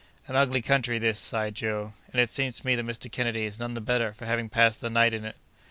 "An ugly country this!" sighed Joe; "and it seems to me that Mr. Kennedy is none the better for having passed the night in it."